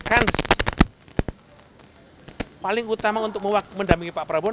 kans paling utama untuk mendampingi pak prabowo